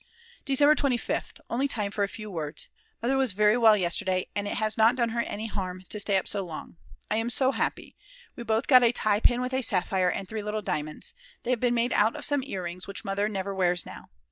December 25th. Only time for a few words. Mother was very well yesterday, and it has not done her any harm to stay up so long. I am so happy. We both got a tie pin with a sapphire and 3 little diamonds, they have been made out of some earrings which Mother never wears now.